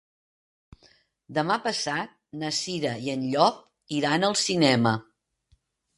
Demà passat na Cira i en Llop iran al cinema.